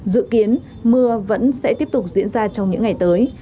dự kiến mưa vẫn sẽ tiếp tục diễn ra trong những ngày tới